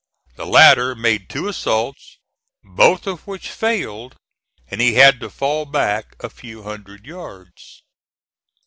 The latter made two assaults, both of which failed, and he had to fall back a few hundred yards.